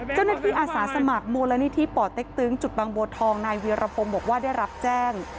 เจ้าหน้าที่อาสาสมัครโมลณิธิป่อเต็กตึงจุดบางโบทองนายวีรพมบอกว่าได้รับแจ้ง